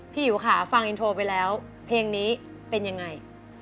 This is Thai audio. อิ๋วค่ะฟังอินโทรไปแล้วเพลงนี้เป็นยังไง